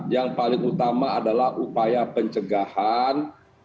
yang paling utama adalah upaya pencegahan